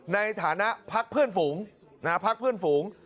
ในฐานะพักเพื่อนฝูงพักเพื่อนฝูง